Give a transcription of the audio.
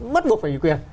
mất buộc phải ủy quyền